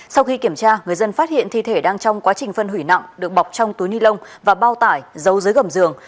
sau khi kiểm tra người dân phát hiện thi thể đang trong quá trình phân hủy nặng được bọc trong túi ni lông và bao tải giấu dưới gầm giường